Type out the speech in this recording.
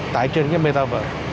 tại trên cái metaverse